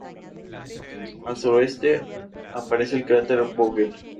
Clair "Are Parents People?